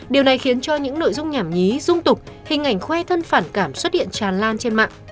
điều này khiến cho những nội dung nhảm nhí dung tục hình ảnh khoe thân phản cảm xuất hiện tràn lan trên mạng